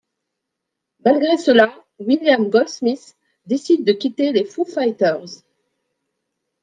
Malgré cela, William Goldsmith décide de quitter les Foo Fighters.